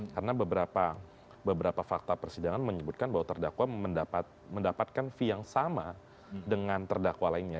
karena beberapa fakta persidangan menyebutkan bahwa terdakwa mendapatkan fee yang sama dengan terdakwa lainnya